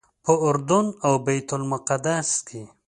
په اردن او بیت المقدس کې.